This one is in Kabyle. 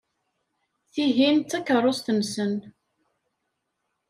Tihin d takeṛṛust-nsen.